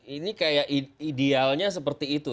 ini kayak idealnya seperti itu